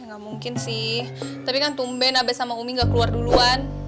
nggak mungkin sih tapi kan tumben abis sama umi gak keluar duluan